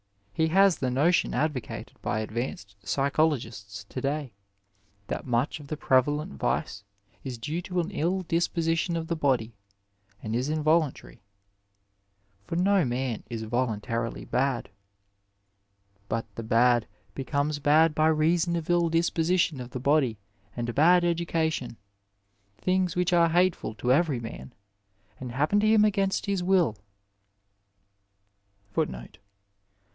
He has the notion advocated by advanced psychologists to day, that much of the prevalent vice is due to an ill disposition of the body, and is involuntary ;^* for no man is voluntarily bad ; but the bad become bad by reason of ill disposition of the body and bad education, things which are hateful to every man and happen to him against his will."